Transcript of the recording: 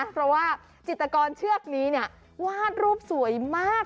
เพราะว่าจิตกรเชือกนี้วาดรูปสวยมาก